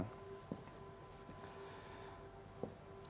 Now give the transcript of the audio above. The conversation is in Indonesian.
lalu kita lihat bagaimana kasus kasus ini berlaku di afghanistan